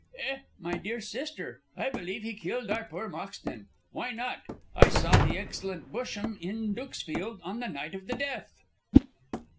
"Eh, my dear sister, I believe he killed our poor Moxton! Why not? I saw the excellent Busham in Dukesfield on the night of the death."